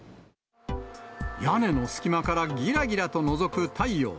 屋根の隙間から、ぎらぎらとのぞく太陽。